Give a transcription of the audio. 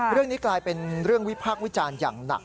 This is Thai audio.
เรื่องนี้กลายเป็นเรื่องวิพากษ์วิจารณ์อย่างหนัก